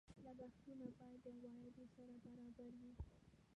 لګښتونه باید د عوایدو سره برابر وي.